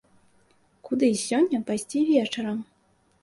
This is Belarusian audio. Куды сёння пайсці вечарам?